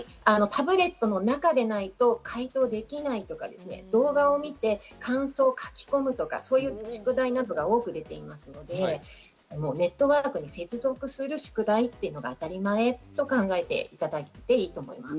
タブレットの中でないと回答できないとか、動画を見て感想を書き込むとか、そういう宿題などが多く出ていますので、ネットワークに接続する宿題というのが当たり前と考えていただいていいと思います。